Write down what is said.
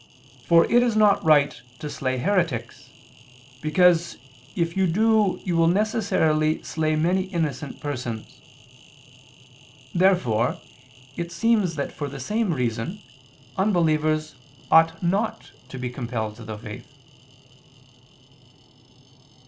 For it is not right to slay heretics, because if you do you will necessarily slay many innocent persons." Therefore it seems that for the same reason unbelievers ought not to be compelled to the faith.